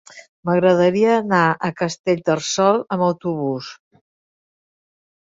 M'agradaria anar a Castellterçol amb autobús.